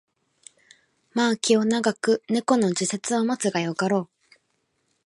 まあ気を永く猫の時節を待つがよかろう